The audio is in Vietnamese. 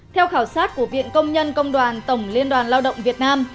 theo khảo sát của viện công nhân công đoàn tổng liên đoàn lao động việt nam